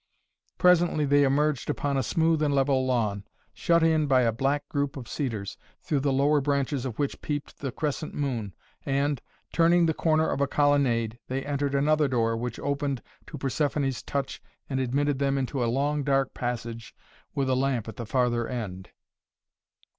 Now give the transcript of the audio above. Presently they emerged upon a smooth and level lawn, shut in by a black group of cedars, through the lower branches of which peeped the crescent moon and, turning the corner of a colonnade, they entered another door which opened to Persephoné's touch and admitted them into a long dark passage with a lamp at the farther end.